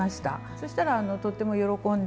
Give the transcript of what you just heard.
そしたらとっても喜んでくれて。